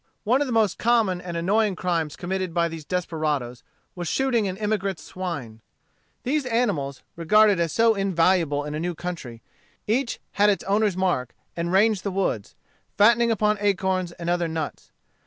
One of the most common and annoying crimes committed by these desperadoes was shooting an emigrant's swine. These animals, regarded as so invaluable in a new country, each had its owner's mark, and ranged the woods, fattening upon acorns and other nuts.